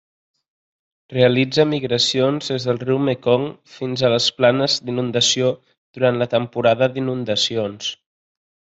Realitza migracions des del riu Mekong fins a les planes d'inundació durant la temporada d'inundacions.